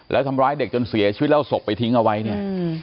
แล้วทำร้ายเด็กจนเสียชีวิตแล้วเอาศพไปทิ้งเอาไว้เนี่ย